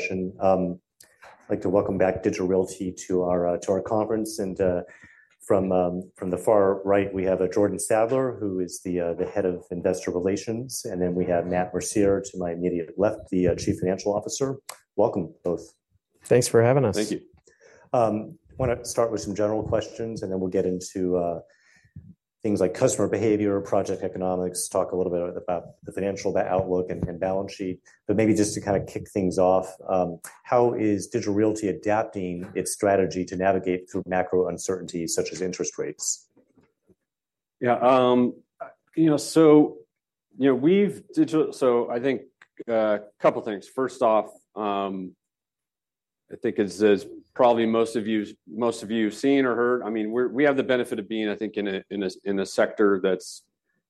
session. I'd like to welcome back Digital Realty to our conference. From the far right, we have Jordan Sadler, who is the head of investor relations, and then we have Matt Mercier, to my immediate left, the Chief Financial Officer. Welcome, both. Thanks for having us. Thank you. I want to start with some general questions, and then we'll get into things like customer behavior, project economics, talk a little bit about the financial, the outlook, and balance sheet. But maybe just to kind of kick things off, how is Digital Realty adapting its strategy to navigate through macro uncertainties such as interest rates? Yeah. You know, so, you know, so I think a couple things. First off, I think as probably most of you have seen or heard, I mean, we have the benefit of being, I think, in a sector that's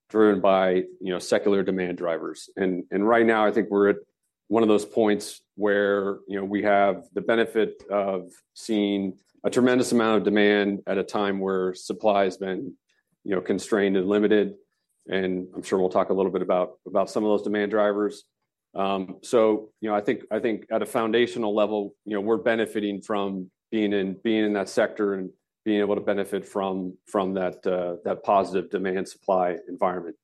driven by, you know, secular demand drivers. And right now, I think we're at one of those points where, you know, we have the benefit of seeing a tremendous amount of demand at a time where supply has been, you know, constrained and limited, and I'm sure we'll talk a little bit about some of those demand drivers. So, you know, I think at a foundational level, you know, we're benefiting from being in that sector and being able to benefit from that positive demand-supply environment.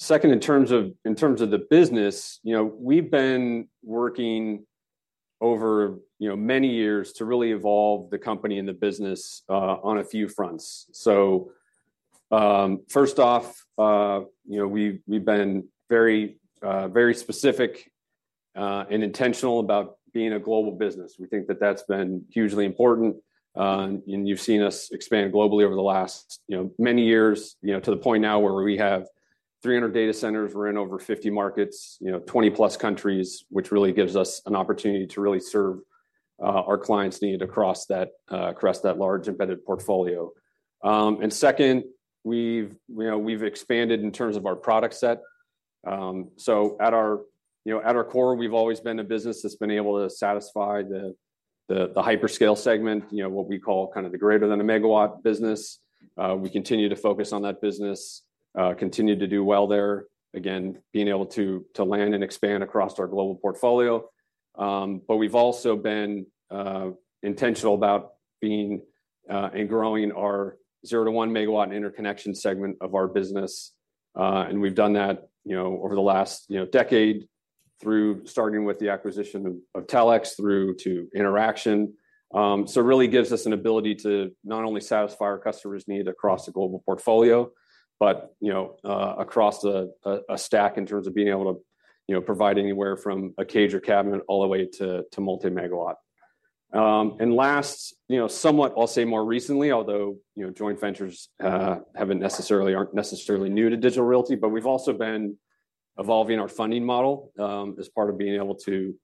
Second, in terms of the business, you know, we've been working over many years to really evolve the company and the business on a few fronts. So, first off, you know, we've been very very specific and intentional about being a global business. We think that that's been hugely important. And you've seen us expand globally over the last, you know, many years, you know, to the point now where we have 300 data centers. We're in over 50 markets, you know, 20+ countries, which really gives us an opportunity to really serve our clients' need across that large embedded portfolio. And second, we've, you know, we've expanded in terms of our product set. So at our, you know, at our core, we've always been a business that's been able to satisfy the hyperscale segment, you know, what we call kind of the greater than a megawatt business. We continue to focus on that business, continue to do well there, again, being able to land and expand across our global portfolio. But we've also been intentional about being and growing our zero to one megawatt interconnection segment of our business. And we've done that, you know, over the last decade through starting with the acquisition of Telx through to Interxion. So it really gives us an ability to not only satisfy our customers' need across the global portfolio, but, you know, across a stack in terms of being able to, you know, provide anywhere from a cage or cabinet all the way to multi-megawatt. And last, you know, somewhat, I'll say more recently, although, you know, joint ventures haven't necessarily, aren't necessarily new to Digital Realty, but we've also been evolving our funding model, as part of being able to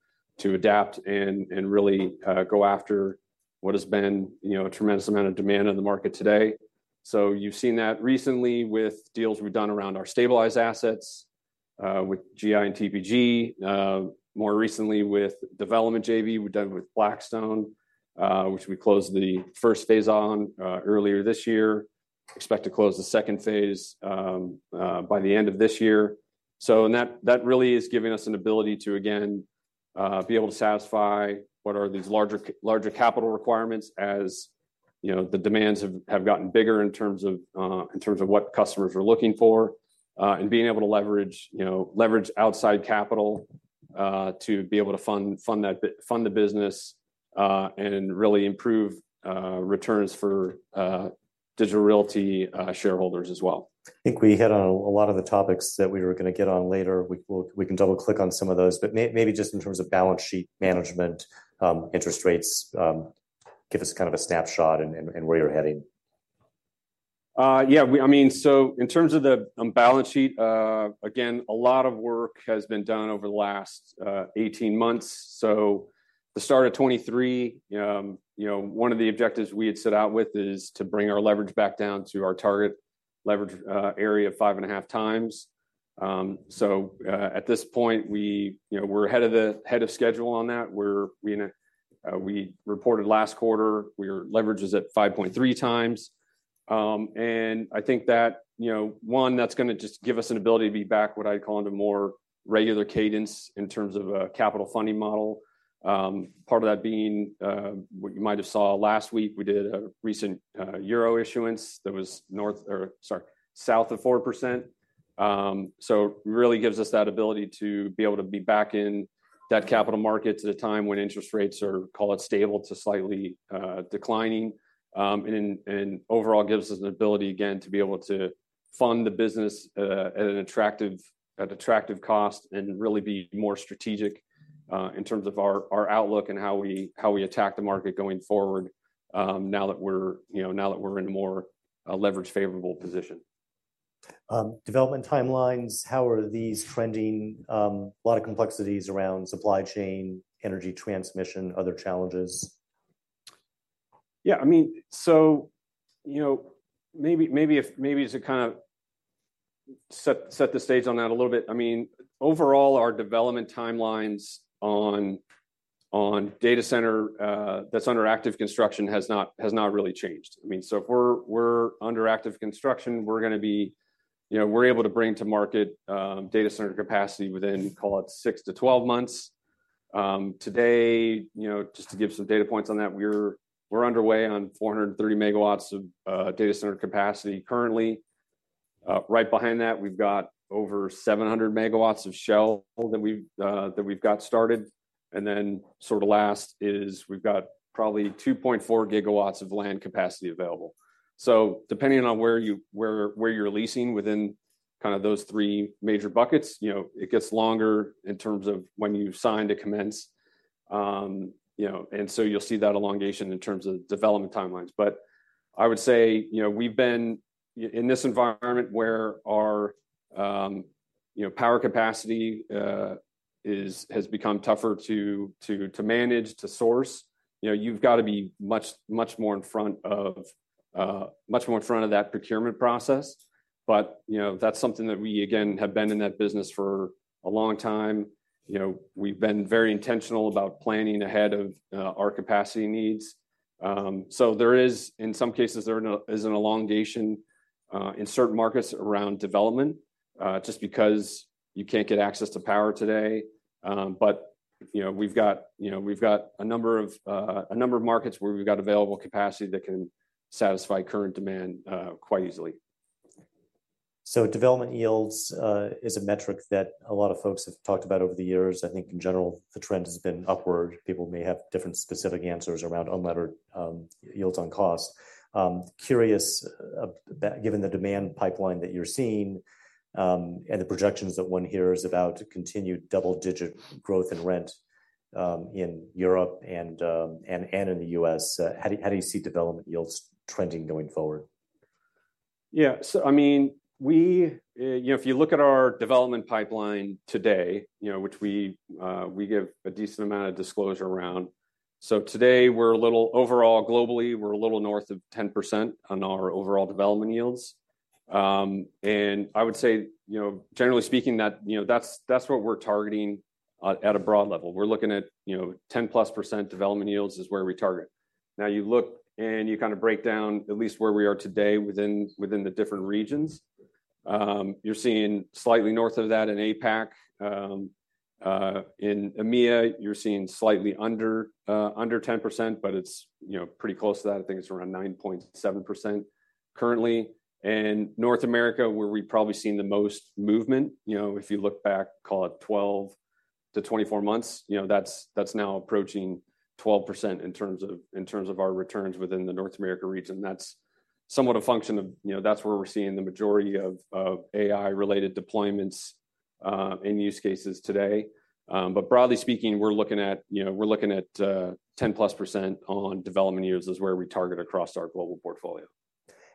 adapt and really go after what has been, you know, a tremendous amount of demand in the market today. So you've seen that recently with deals we've done around our stabilized assets, with GI and TPG, more recently with development JV, we've done with Blackstone, which we closed the first phase on, earlier this year. Expect to close the second phase by the end of this year, so and that really is giving us an ability to, again, be able to satisfy these larger capital requirements, as you know, the demands have gotten bigger in terms of what customers are looking for, and being able to leverage, you know, outside capital to be able to fund that... fund the business, and really improve returns for Digital Realty shareholders as well. I think we hit on a lot of the topics that we were going to get on later. We can double-click on some of those, but maybe just in terms of balance sheet management, interest rates, give us kind of a snapshot and where you're heading. Yeah, I mean, so in terms of the balance sheet, again, a lot of work has been done over the last 18 months, so at the start of 2023, you know, one of the objectives we had set out with is to bring our leverage back down to our target leverage area of 5.5 times, so at this point, you know, we're ahead of schedule on that. We reported last quarter, our leverage is at 5.3 times. And I think that, you know, that's going to just give us an ability to be back, what I'd call, into more regular cadence in terms of a capital funding model. Part of that being, what you might have saw last week, we did a recent euro issuance that was north, or sorry, south of 4%. So it really gives us that ability to be able to be back in that capital markets at a time when interest rates are, call it, stable to slightly declining. And overall gives us an ability, again, to be able to fund the business at an attractive cost and really be more strategic in terms of our outlook and how we attack the market going forward, now that we're, you know, in a more leverage favorable position. Development timelines, how are these trending? A lot of complexities around supply chain, energy transmission, other challenges. Yeah, I mean, so, you know, maybe to kind of set the stage on that a little bit, I mean, overall, our development timelines on data center that's under active construction has not really changed. I mean, so if we're under active construction, you know, we're able to bring to market data center capacity within, call it six to 12 months. Today, you know, just to give some data points on that, we're underway on 430 megawatts of data center capacity currently. Right behind that, we've got over 700 megawatts of shell that we've got started. And then sort of last is, we've got probably 2.4 gigawatts of land capacity available. So depending on where you're leasing within kind of those three major buckets, you know, it gets longer in terms of when you sign to commence. You know, and so you'll see that elongation in terms of development timelines. But I would say, you know, we've been in this environment where our, you know, power capacity has become tougher to manage, to source. You know, you've got to be much more in front of that procurement process. But, you know, that's something that we, again, have been in that business for a long time. You know, we've been very intentional about planning ahead of our capacity needs. So there is, in some cases, an elongation in certain markets around development just because you can't get access to power today. But you know, we've got a number of markets where we've got available capacity that can satisfy current demand quite easily. So development yields is a metric that a lot of folks have talked about over the years. I think in general, the trend has been upward. People may have different specific answers around unlevered yields on cost. Curious about, given the demand pipeline that you're seeing, and the projections that one hears about continued double-digit growth in rent in Europe and in the US, how do you see development yields trending going forward? Yeah. So I mean, we, you know, if you look at our development pipeline today, you know, which we, we give a decent amount of disclosure around. So today, we're a little overall, globally, we're a little north of 10% on our overall development yields. And I would say, you know, generally speaking, that, you know, that's, that's what we're targeting at, at a broad level. We're looking at, you know, 10% plus development yields is where we target. Now, you look and you kind of break down at least where we are today, within the different regions. You're seeing slightly north of that in APAC. In EMEA, you're seeing slightly under 10%, but it's, you know, pretty close to that. I think it's around 9.7% currently. In North America, where we've probably seen the most movement, you know, if you look back, call it 12 to 24 months, you know, that's now approaching 12% in terms of our returns within the North America region. That's somewhat a function of. You know, that's where we're seeing the majority of AI-related deployments in use cases today. But broadly speaking, we're looking at, you know, 10% plus on development yields is where we target across our global portfolio.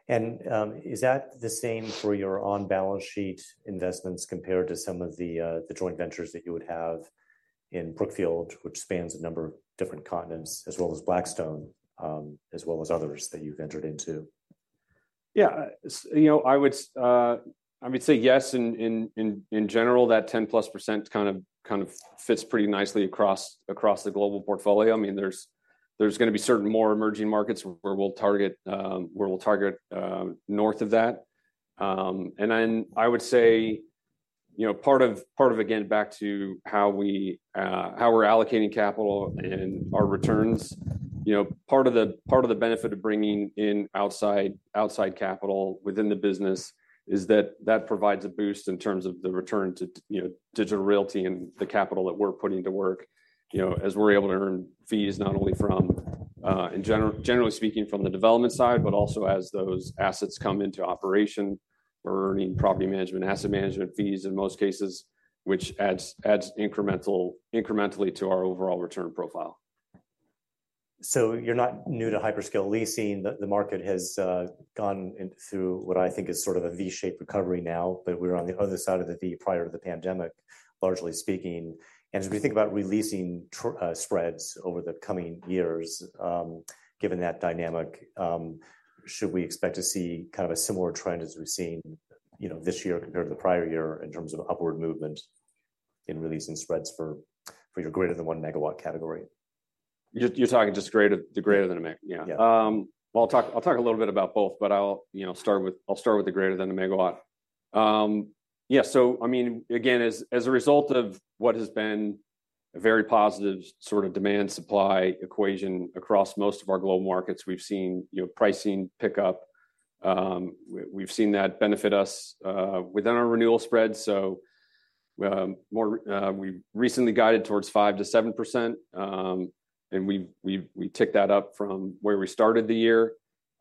Is that the same for your on-balance sheet investments, compared to some of the joint ventures that you would have in Brookfield, which spans a number of different continents, as well as Blackstone, as well as others that you've entered into? Yeah. You know, I would, I would say yes, in general, that 10-plus% kind of fits pretty nicely across the global portfolio. I mean, there's going to be certain more emerging markets where we'll target north of that. And then I would say, you know, part of, again, back to how we, how we're allocating capital and our returns, you know, part of the benefit of bringing in outside capital within the business is that provides a boost in terms of the return to, you know, Digital Realty and the capital that we're putting to work. You know, as we're able to earn fees, not only from, in general, generally speaking from the development side, but also as those assets come into operation, we're earning property management, asset management fees in most cases, which adds incrementally to our overall return profile. So you're not new to hyperscale leasing. The market has gone through what I think is sort of a V-shaped recovery now, but we're on the other side of the V prior to the pandemic, largely speaking. And as we think about re-leasing spreads over the coming years, given that dynamic, should we expect to see kind of a similar trend as we've seen, you know, this year compared to the prior year in terms of upward movement in re-leasing spreads for your greater than one megawatt category? You're talking just greater than a megawatt. Yeah. Yeah. Well, I'll talk a little bit about both, but you know, I'll start with the greater than a megawatt. Yeah, so I mean, again, as a result of what has been a very positive sort of demand-supply equation across most of our global markets, we've seen, you know, pricing pick up. We've seen that benefit us within our renewal spreads, so we recently guided towards 5%-7%. And we've ticked that up from where we started the year.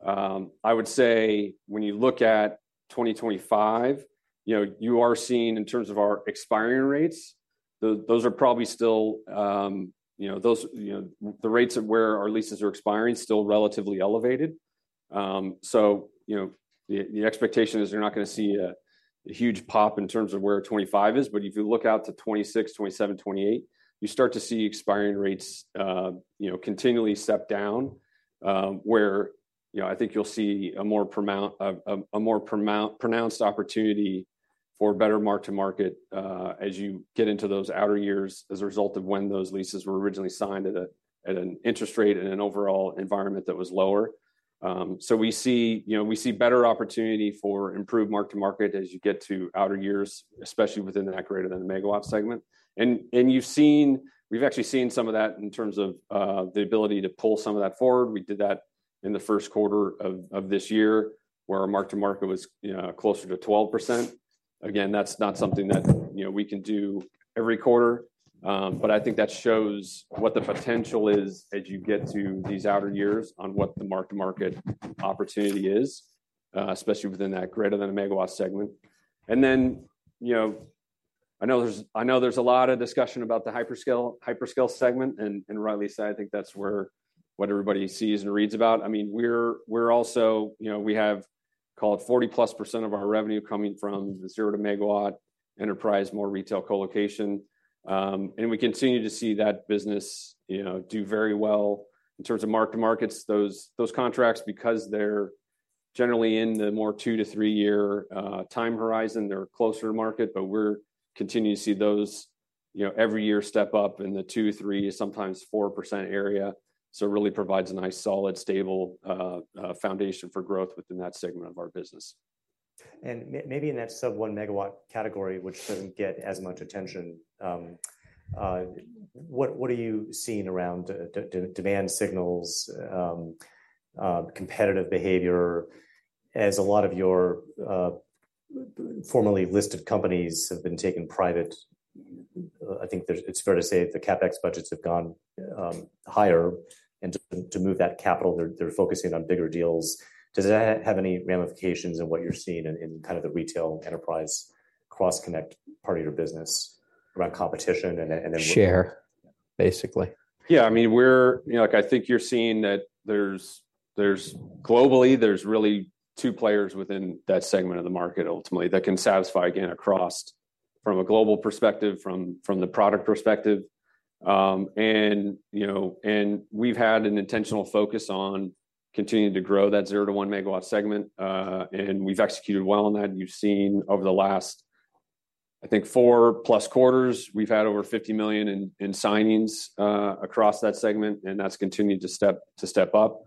I would say when you look at 2025, you know, you are seeing in terms of our expiring rates, those are probably still, you know, the rates where our leases are expiring, still relatively elevated. So, you know, the expectation is you're not going to see a huge pop in terms of where 2025 is, but if you look out to 2026, 2027, 2028, you start to see expiring rates, you know, continually step down, where, you know, I think you'll see a more pronounced opportunity for better mark to market, as you get into those outer years as a result of when those leases were originally signed at an interest rate and an overall environment that was lower. So we see, you know, we see better opportunity for improved mark to market as you get to outer years, especially within that greater than a megawatt segment. And, you've seen we've actually seen some of that in terms of the ability to pull some of that forward. We did that in the first quarter of this year, where our mark to market was, you know, closer to 12%. Again, that's not something that, you know, we can do every quarter, but I think that shows what the potential is as you get to these outer years on what the mark to market opportunity is, especially within that greater than a megawatt segment. And then, you know, I know there's a lot of discussion about the hyperscale segment, and rightly so. I think that's where what everybody sees and reads about. I mean, we're also you know, we have call it 40-plus% of our revenue coming from the zero to megawatt enterprise, more retail colocation. And we continue to see that business, you know, do very well in terms of mark-to-market, those contracts, because they're generally in the more two- to three-year time horizon. They're closer to market, but we're continuing to see those, you know, every year step up in the 2, 3, sometimes 4% area. So it really provides a nice, solid, stable foundation for growth within that segment of our business. And maybe in that sub one megawatt category, which doesn't get as much attention, what are you seeing around the demand signals, competitive behavior, as a lot of your formerly listed companies have been taken private? I think it's fair to say the CapEx budgets have gone higher, and to move that capital, they're focusing on bigger deals. Does that have any ramifications in what you're seeing in kind of the retail enterprise cross-connect part of your business around competition and then share, basically. Yeah, I mean, we're. You know, like, I think you're seeing that there's globally there's really two players within that segment of the market, ultimately, that can satisfy, again, across from a global perspective, from the product perspective. And, you know, we've had an intentional focus on continuing to grow that zero to one megawatt segment, and we've executed well on that. You've seen over the last, I think, four plus quarters, we've had over $50 million in signings across that segment, and that's continued to step up.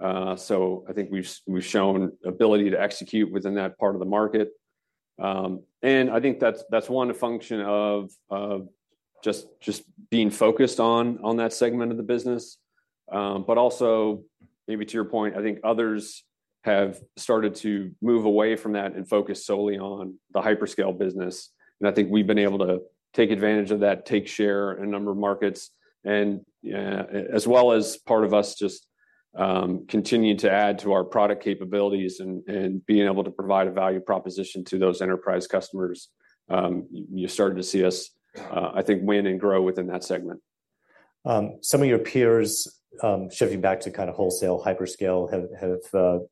So I think we've shown ability to execute within that part of the market. And I think that's one, a function of just being focused on that segment of the business. But also, maybe to your point, I think others have started to move away from that and focus solely on the hyperscale business. And I think we've been able to take advantage of that, take share in a number of markets, and, as well as part of us just continuing to add to our product capabilities and being able to provide a value proposition to those enterprise customers, you're starting to see us, I think, win and grow within that segment. Some of your peers shifting back to kind of wholesale hyperscale have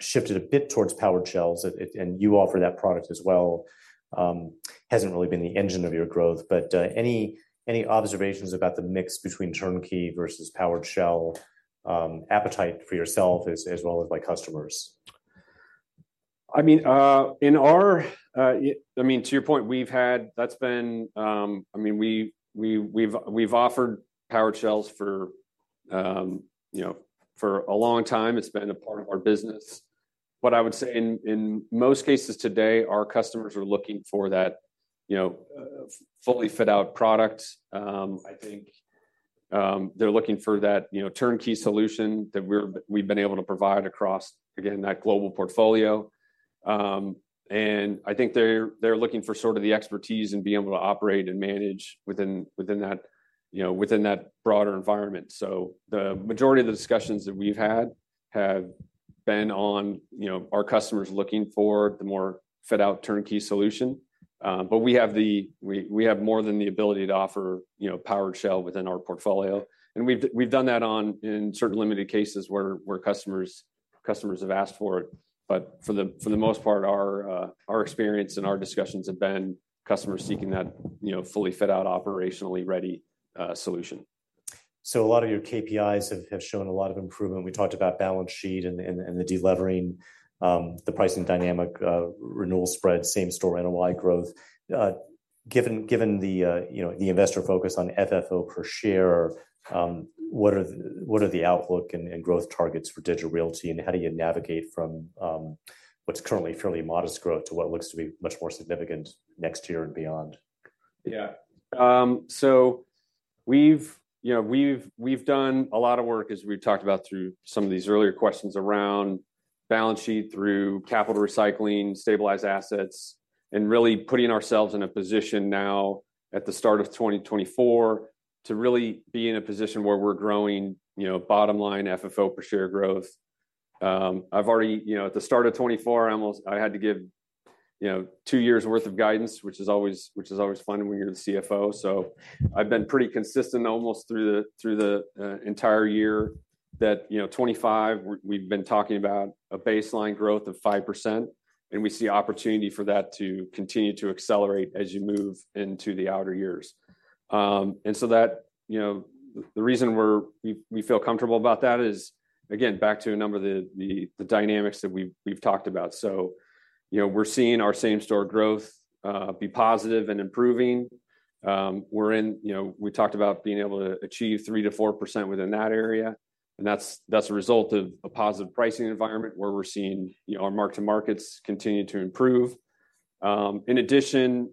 shifted a bit towards powered shells, and you offer that product as well. Hasn't really been the engine of your growth, but any observations about the mix between turnkey versus powered shell, appetite for yourself as well as by customers? I mean, in our, I mean, to your point, we've had-- that's been, I mean, we've offered powered shells for, you know, for a long time. It's been a part of our business. What I would say in most cases today, our customers are looking for that, you know, fully fit out product. I think, they're looking for that, you know, turnkey solution that we've been able to provide across, again, that global portfolio. And I think they're looking for sort of the expertise and being able to operate and manage within that, you know, within that broader environment. So the majority of the discussions that we've had have been on, you know, our customers looking for the more fit out turnkey solution. But we have more than the ability to offer, you know, powered shell within our portfolio. And we've done that in certain limited cases where customers have asked for it. But for the most part, our experience and our discussions have been customers seeking that, you know, fully fit out, operationally ready, solution. So a lot of your KPIs have shown a lot of improvement. We talked about balance sheet and the delevering, the pricing dynamic, renewal spread, same store NOI growth. Given the, you know, the investor focus on FFO per share, what are the outlook and growth targets for Digital Realty, and how do you navigate from what's currently fairly modest growth to what looks to be much more significant next year and beyond? Yeah. So we've, you know, done a lot of work, as we've talked about through some of these earlier questions, around balance sheet, through capital recycling, stabilized assets, and really putting ourselves in a position now, at the start of twenty twenty-four, to really be in a position where we're growing, you know, bottom line FFO per share growth. I've already... You know, at the start of twenty twenty-four, I had to give, you know, two years' worth of guidance, which is always fun when you're the CFO. So I've been pretty consistent almost through the entire year that, you know, twenty-five, we've been talking about a baseline growth of 5%, and we see opportunity for that to continue to accelerate as you move into the outer years. And so that you know, the reason we feel comfortable about that is, again, back to a number of the dynamics that we've talked about. You know, we're seeing our same-store growth be positive and improving. You know, we talked about being able to achieve 3% to 4% within that area, and that's a result of a positive pricing environment, where we're seeing, you know, our mark-to-markets continue to improve. In addition,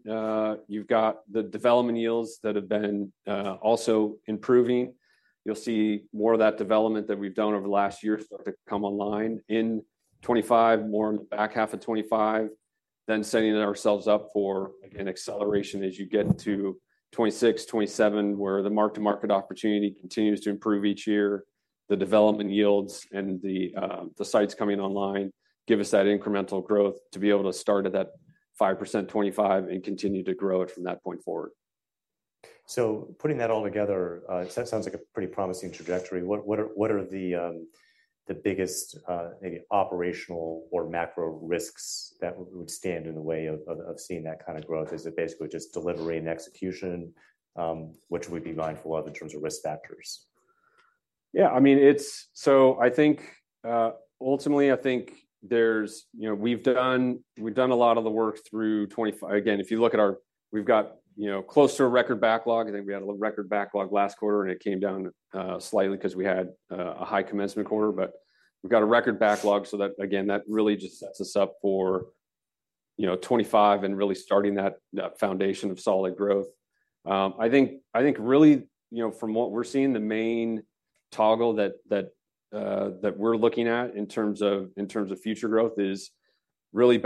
you've got the development yields that have been also improving. You'll see more of that development that we've done over the last year start to come online in 2025, more in the back half of 2025, then setting ourselves up for, again, acceleration as you get to 2026, 2027, where the mark-to-market opportunity continues to improve each year. The development yields and the sites coming online give us that incremental growth to be able to start at that 5% 25 and continue to grow it from that point forward. So putting that all together, that sounds like a pretty promising trajectory. What are the biggest, maybe operational or macro risks that would stand in the way of seeing that kind of growth? Is it basically just delivery and execution, what should we be mindful of in terms of risk factors? Yeah, I mean, it's so I think ultimately, I think there's... You know, we've done a lot of the work through 2024. Again, if you look at our, we've got, you know, close to a record backlog. I think we had a record backlog last quarter, and it came down slightly 'cause we had a high commencement quarter, but we've got a record backlog so that, again, that really just sets us up for, you know, 2025 and really starting that foundation of solid growth. I think really, you know, from what we're seeing, the main toggle that we're looking at in terms of future growth is really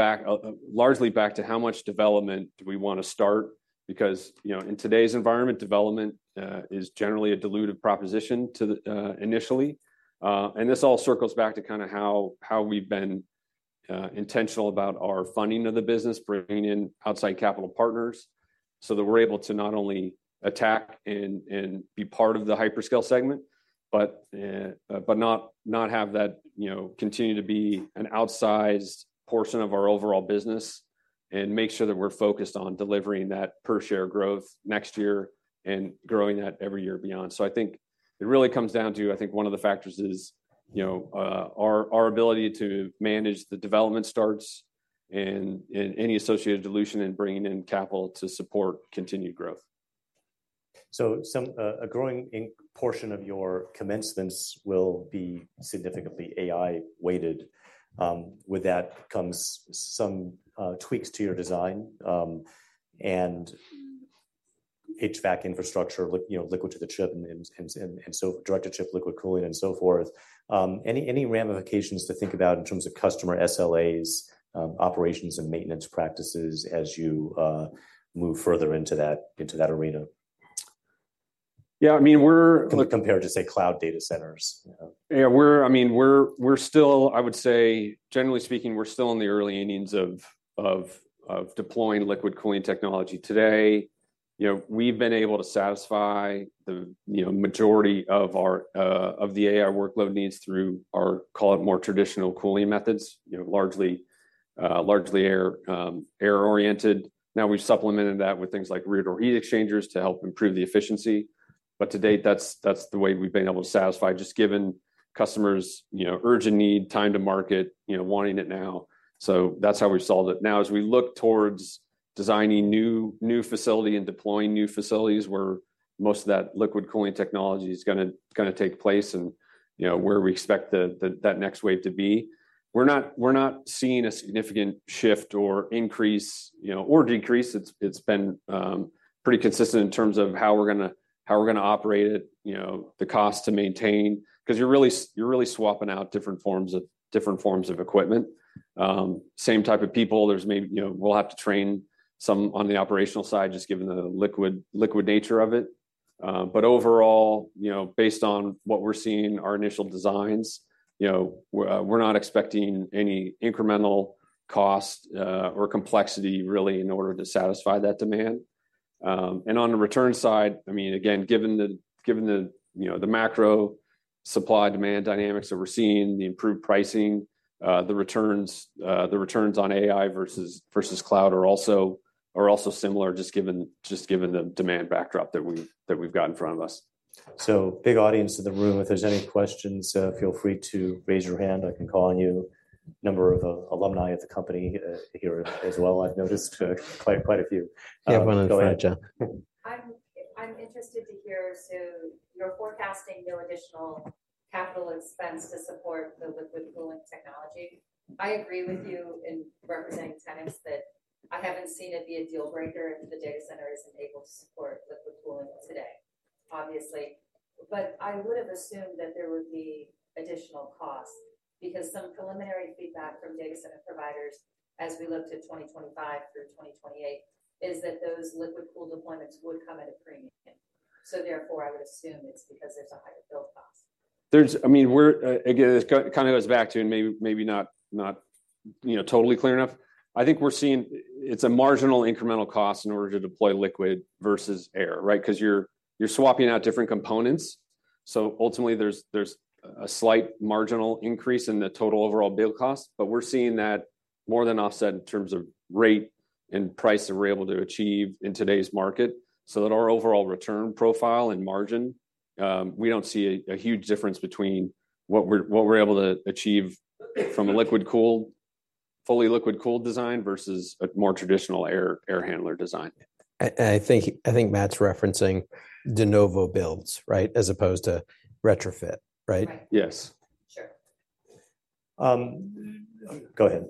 largely back to how much development do we want to start. Because, you know, in today's environment, development is generally a dilutive proposition to the initially. And this all circles back to kind of how we've been intentional about our funding of the business, bringing in outside capital partners, so that we're able to not only attack and be part of the hyperscale segment, but not have that, you know, continue to be an outsized portion of our overall business and make sure that we're focused on delivering that per-share growth next year and growing that every year beyond. So I think it really comes down to, I think one of the factors is, you know, our ability to manage the development starts and any associated dilution in bringing in capital to support continued growth. So, a growing portion of your commencements will be significantly AI-weighted. With that comes some tweaks to your design and HVAC infrastructure, you know, liquid to the chip and so direct to chip liquid cooling and so forth. Any ramifications to think about in terms of customer SLAs, operations and maintenance practices as you move further into that arena? Yeah, I mean, we're- Compared to, say, cloud data centers. Yeah, I mean, we're still, I would say, generally speaking, we're still in the early innings of deploying liquid cooling technology today. You know, we've been able to satisfy the, you know, majority of our AI workload needs through our, call it, more traditional cooling methods, you know, largely air-oriented. Now, we've supplemented that with things like rear door heat exchangers to help improve the efficiency, but to date, that's the way we've been able to satisfy, just given customers', you know, urgent need, time to market, you know, wanting it now. So that's how we've solved it. Now, as we look towards designing new facility and deploying new facilities, where most of that liquid cooling technology is gonna take place and, you know, where we expect that next wave to be, we're not seeing a significant shift or increase, you know, or decrease. It's been pretty consistent in terms of how we're gonna operate it, you know, the cost to maintain, 'cause you're really swapping out different forms of equipment. Same type of people, there's maybe, you know, we'll have to train some on the operational side, just given the liquid nature of it. But overall, you know, based on what we're seeing, our initial designs, you know, we're not expecting any incremental cost or complexity really in order to satisfy that demand. And on the return side, I mean, again, given the, you know, the macro supply-demand dynamics that we're seeing, the improved pricing, the returns on AI versus cloud are also similar, just given the demand backdrop that we've got in front of us. So big audience in the room, if there's any questions, feel free to raise your hand. I can call on you. Number of alumni at the company here as well. I've noticed quite, quite a few. Yeah, go ahead, John. I'm interested to hear, so you're forecasting no additional capital expense to support the liquid cooling technology? I agree with you in representing tenants that I haven't seen it be a deal breaker if the data center isn't able to support liquid cooling today, obviously. But I would've assumed that there would be additional cost, because some preliminary feedback from data center providers, as we look to 2025 through 2028, is that those liquid cooling deployments would come at a premium. So therefore, I would assume it's because there's a higher build cost. I mean, we're again, this kind of goes back to, and maybe not, you know, totally clear enough. I think we're seeing it's a marginal incremental cost in order to deploy liquid versus air, right? 'Cause you're swapping out different components. So ultimately, there's a slight marginal increase in the total overall bill cost, but we're seeing that more than offset in terms of rate and price that we're able to achieve in today's market, so that our overall return profile and margin, we don't see a huge difference between what we're able to achieve from a fully liquid cooled design versus a more traditional air handler design. I think Matt's referencing de novo builds, right? As opposed to retrofit, right? Yes. Sure. Go ahead.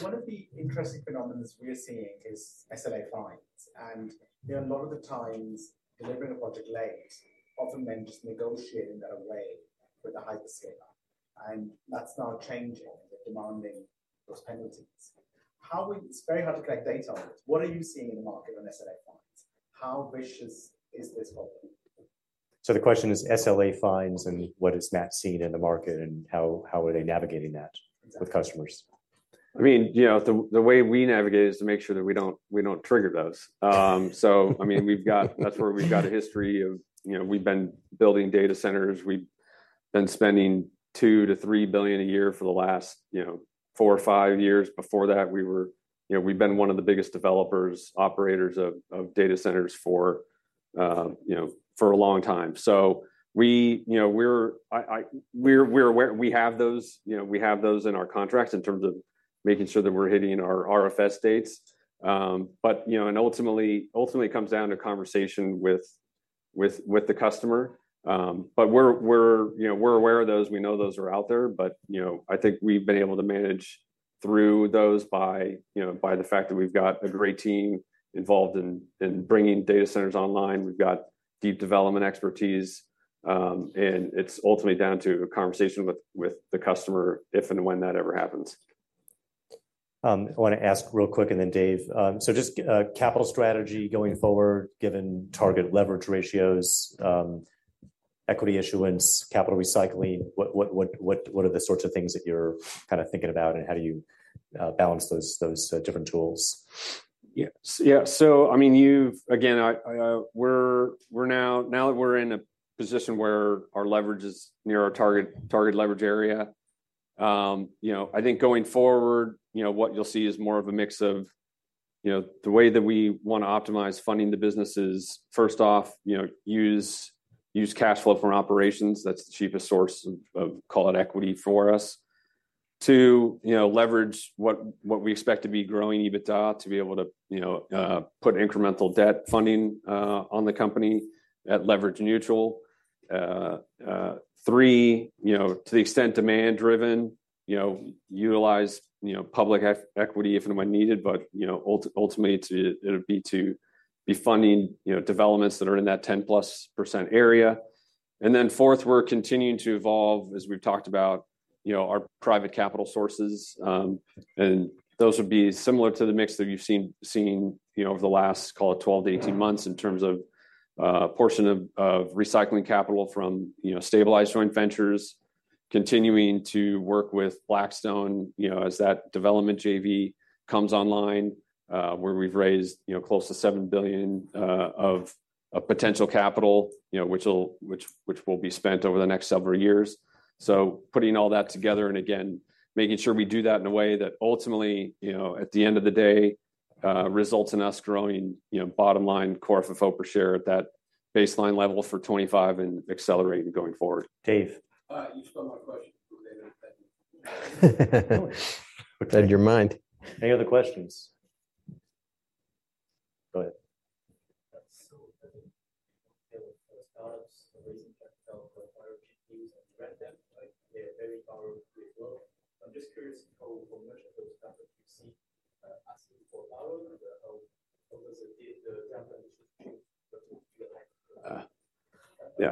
One of the interesting phenomena we're seeing is SLA fines. You know, a lot of the times, delivering a project late often meant just negotiating that away with a hyperscaler, and that's now changing. They're demanding those penalties. It's very hard to collect data on it. What are you seeing in the market on SLA fines? How vicious is this problem? So the question is SLA fines, and what is Matt seeing in the market, and how are they navigating that with customers? I mean, you know, the way we navigate it is to make sure that we don't, we don't trigger those. I mean, we've got, that's where we've got a history of, you know, we've been building data centers. We've been spending $2-$3 billion a year for the last, you know, four or five years. Before that, we were, you know, we've been one of the biggest developers, operators of data centers for, you know, for a long time. So we, you know, we're aware we have those, you know, we have those in our contracts in terms of making sure that we're hitting our RFS dates. But, you know, and ultimately, it comes down to conversation with the customer. But we're, you know, we're aware of those. We know those are out there, but, you know, I think we've been able to manage through those by, you know, by the fact that we've got a great team involved in bringing data centers online. We've got deep development expertise, and it's ultimately down to a conversation with the customer, if and when that ever happens. I want to ask real quick, and then Dave. So just capital strategy going forward, given target leverage ratios, equity issuance, capital recycling, what are the sorts of things that you're kind of thinking about, and how do you balance those different tools? Yeah. Yeah, so I mean, you've again, we're now that we're in a position where our leverage is near our target leverage area. You know, I think going forward, you know, what you'll see is more of a mix of, you know, the way that we want to optimize funding the business is, first off, you know, use cash flow from operations. That's the cheapest source of, call it, equity for us. Two, you know, leverage what we expect to be growing EBITDA to be able to, you know, put incremental debt funding on the company at leverage neutral. Three, you know, to the extent demand driven, you know, utilize, you know, public equity if and when needed, but, you know, ultimately, it would be to be funding, you know, developments that are in that 10-plus% area. And then fourth, we're continuing to evolve, as we've talked about, you know, our private capital sources, and those would be similar to the mix that you've seen, you know, over the last, call it, 12 to 18 months in terms of portion of recycling capital from, you know, stabilized joint ventures, continuing to work with Blackstone, you know, as that development JV comes online, where we've raised, you know, close to $7 billion of potential capital, you know, which will be spent over the next several years. Putting all that together, and again, making sure we do that in a way that ultimately, you know, at the end of the day, results in us growing, you know, bottom line core FFO per share at that baseline level for 2025 and accelerating going forward. Dave? You stole my question. Read your mind. Any other questions? Go ahead. So, I think the startups raising capital for GPUs and rent them, like, they're very powerful as well. I'm just curious how much of those startups you see asking for loan, or how does it. Uh, yeah.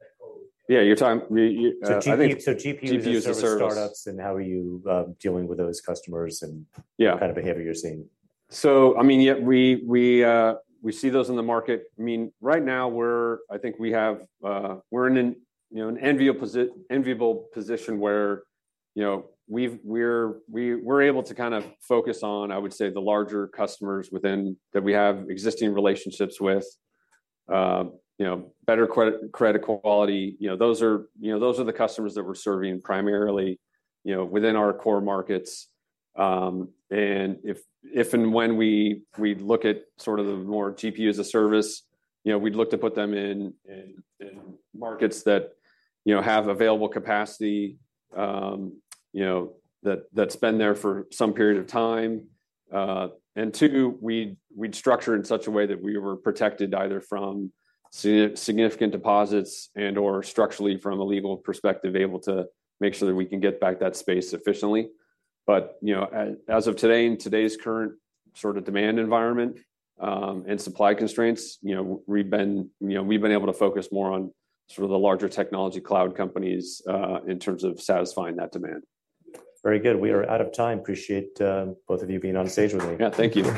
Like, how- Yeah, you're talking. So GPU as a service- GPU as a service. startups, and how are you dealing with those customers, and- Yeah... what kind of behavior you're seeing? So, I mean, yeah, we see those in the market. I mean, right now, I think we're in an enviable position where, you know, we're able to focus on, I would say, the larger customers within that we have existing relationships with. You know, better credit quality, you know, those are the customers that we're serving primarily, you know, within our core markets. And if and when we look at sort of the more GPU as a service, you know, we'd look to put them in markets that, you know, have available capacity, you know, that's been there for some period of time. And two, we'd structure in such a way that we were protected, either from significant deposits and/or structurally, from a legal perspective, able to make sure that we can get back that space efficiently. But you know, as of today, in today's current sort of demand environment, and supply constraints, you know, we've been able to focus more on sort of the larger technology cloud companies in terms of satisfying that demand. Very good. We are out of time. Appreciate, both of you being on stage with me. Yeah, thank you. ...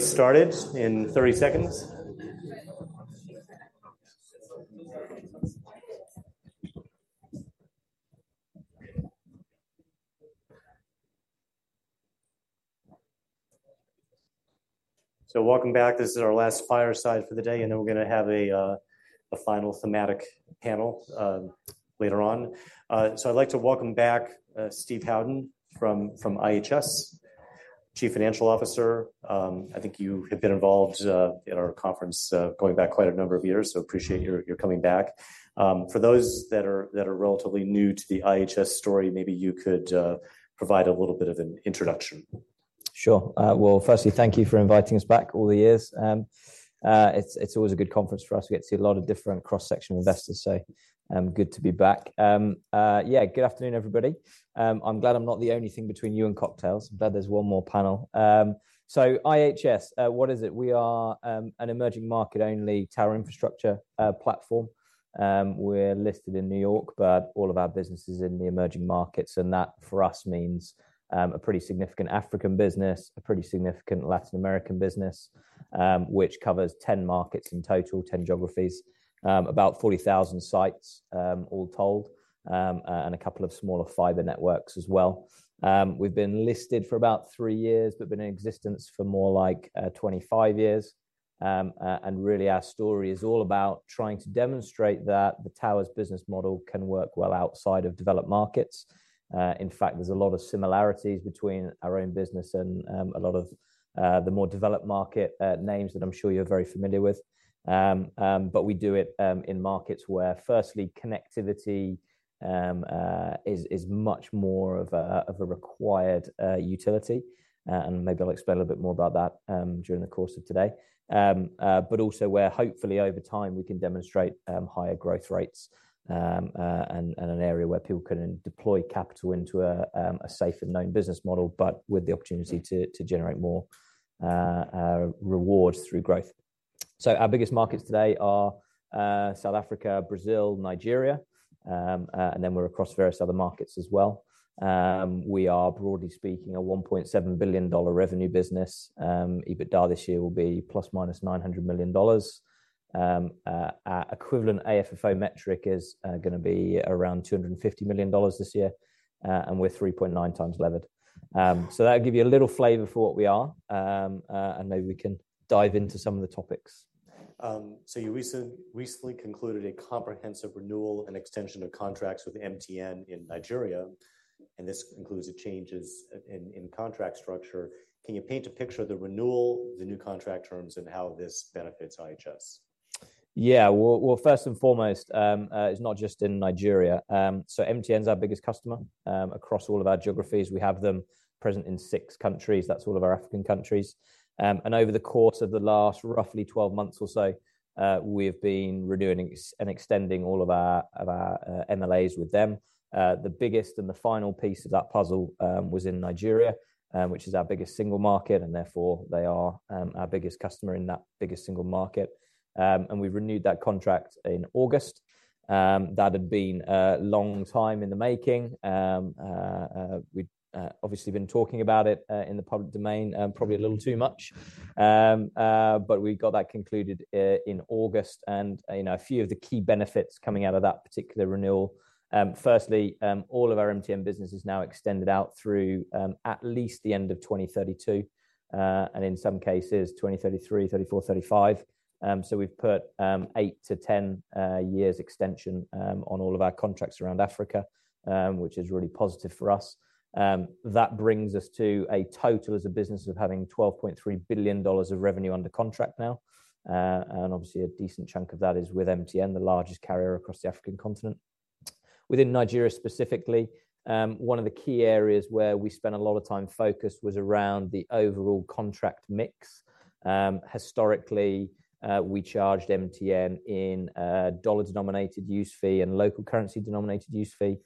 We're gonna get started in thirty seconds. So welcome back. This is our last fireside for the day, and then we're gonna have a final thematic panel later on. So I'd like to welcome back Steve Howden from IHS, Chief Financial Officer. I think you have been involved in our conference going back quite a number of years, so appreciate your coming back. For those that are relatively new to the IHS story, maybe you could provide a little bit of an introduction. Sure. Well, firstly, thank you for inviting us back all the years. It's always a good conference for us. We get to see a lot of different cross-section investors, so good to be back. Yeah, good afternoon, everybody. I'm glad I'm not the only thing between you and cocktails. I'm glad there's one more panel. So IHS, what is it? We are an emerging market-only tower infrastructure platform. We're listed in New York, but all of our business is in the emerging markets, and that, for us, means a pretty significant African business, a pretty significant Latin American business, which covers 10 markets in total, 10 geographies, about 40,000 sites, all told, and a couple of smaller fiber networks as well. We've been listed for about three years, but been in existence for more like 25 years, and really, our story is all about trying to demonstrate that the towers business model can work well outside of developed markets. In fact, there's a lot of similarities between our own business and a lot of the more developed market names that I'm sure you're very familiar with, but we do it in markets where, firstly, connectivity is much more of a required utility, and maybe I'll explain a bit more about that during the course of today. But also where hopefully over time, we can demonstrate higher growth rates, and an area where people can deploy capital into a safe and known business model, but with the opportunity to generate more reward through growth. So our biggest markets today are South Africa, Brazil, Nigeria, and then we're across various other markets as well. We are, broadly speaking, a $1.7 billion revenue business. EBITDA this year will be plus minus $900 million. Our equivalent AFFO metric is gonna be around $250 million this year, and we're 3.9 times levered. So that'll give you a little flavor for what we are, and maybe we can dive into some of the topics.... so you recently concluded a comprehensive renewal and extension of contracts with MTN in Nigeria, and this includes the changes in contract structure. Can you paint a picture of the renewal, the new contract terms, and how this benefits IHS? Yeah, well, first and foremost, it's not just in Nigeria. So MTN's our biggest customer across all of our geographies. We have them present in six countries. That's all of our African countries. And over the course of the last roughly 12 months or so, we've been renewing and extending all of our MLAs with them. The biggest and the final piece of that puzzle was in Nigeria, which is our biggest single market, and therefore, they are our biggest customer in that biggest single market. And we renewed that contract in August. That had been a long time in the making. We'd obviously been talking about it in the public domain, probably a little too much. But we got that concluded in August, and, you know, a few of the key benefits coming out of that particular renewal. Firstly, all of our MTN business is now extended out through at least the end of 2032, and in some cases, 2033, 2034, 2035. So we've put 8-10 years extension on all of our contracts around Africa, which is really positive for us. That brings us to a total as a business of having $12.3 billion of revenue under contract now, and obviously, a decent chunk of that is with MTN, the largest carrier across the African continent. Within Nigeria specifically, one of the key areas where we spent a lot of time focused was around the overall contract mix. Historically, we charged MTN in dollar-denominated use fee and local currency-denominated use fee.